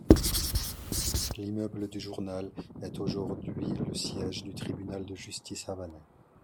L'immeuble du journal est aujourd'hui le siège du Tribunal de Justice havanais.